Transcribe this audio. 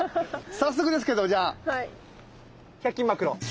早速ですけどじゃあ１００均マクロ。